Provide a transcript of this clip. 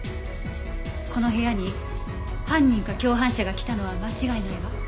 この部屋に犯人か共犯者が来たのは間違いないわ。